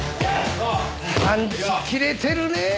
パンチ切れてるねぇ！